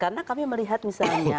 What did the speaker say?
karena kami melihat misalnya